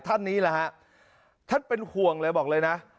ท่านนี้แหละฮะท่านเป็นห่วงเลยบอกเลยนะ